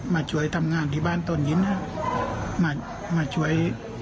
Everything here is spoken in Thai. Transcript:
มาช่วยทำงานที่บ้านต้นนี้มาช่วย